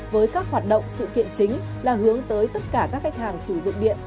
với các hoạt động sự kiện chính là hướng tới tất cả các khách hàng sử dụng điện